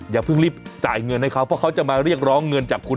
อย่าเพิ่งรีบจ่ายเงินให้เขาเพราะเขาจะมาเรียกร้องเงินจากคุณ